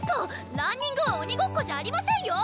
ランニングは鬼ごっこじゃありませんよ！